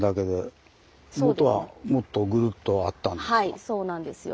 はいそうなんですよ。